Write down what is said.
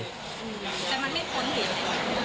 แต่มันไม่พ้นเหรอครับ